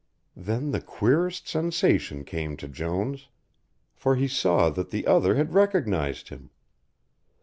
Then the queerest sensation came to Jones, for he saw that the other had recognised him.